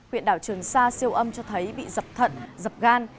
huyện đảo trường sa siêu âm cho thấy bị dập thận dập gan